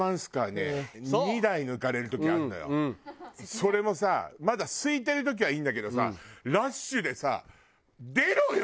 それもさまだ空いてる時はいいんだけどさラッシュでさ出ろよ！って思うの。